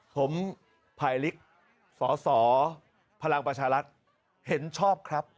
ผมภายลิกสสพลังประชารัฐเห็นชอบครับ